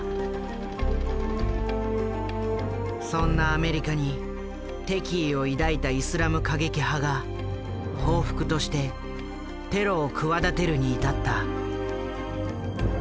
そんなアメリカに敵意を抱いたイスラム過激派が報復としてテロを企てるに至った。